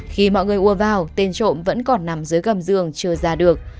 khi mọi người ùa vào tên trộm vẫn còn nằm dưới gầm giường chưa ra được